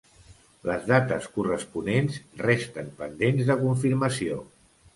Les dates corresponents resten pendents de confirmació.